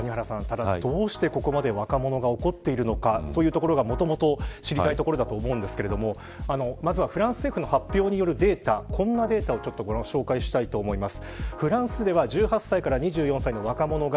どうしてここまで若者が怒っているかということはもともと知りたいところだと思いますがフランス政府の発表によるとこんなデータを紹介したいと思います。